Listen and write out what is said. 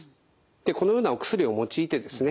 でこのようなお薬を用いてですね